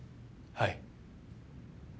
はい。